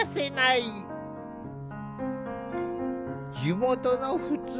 地元の普通